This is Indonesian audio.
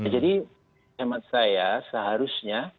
jadi hemat saya seharusnya